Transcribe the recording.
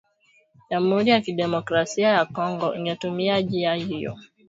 Jamhuri ya kidemokrasia ya Kongo ingetumia njia hiyo